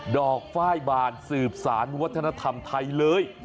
อกฝ้ายบานสืบสารวัฒนธรรมไทยเลย